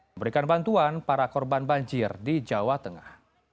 memberikan bantuan para korban banjir di jawa tengah